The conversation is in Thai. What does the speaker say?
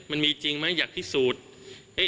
มันมีจริงไหมอยากพิสูจน์